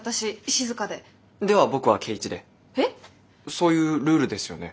そういうルールですよね。